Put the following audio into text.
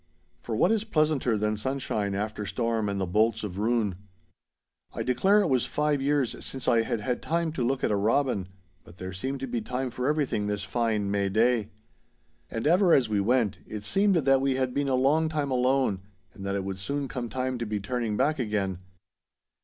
For what is pleasanter than sunshine after storm and the bolts of ruin. I declare it was five years since I had had time to look at a robin. But there seemed to be time for everything this fine May day. And ever as we went, it seemed that we had been a long time alone, and that it would soon come time to be turning back again.